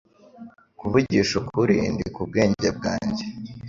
Kuvugisha ukuri, ndi ku bwenge bwanjye.